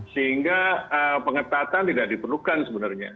sehingga pengetatan tidak diperlukan sebenarnya